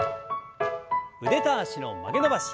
腕と脚の曲げ伸ばし。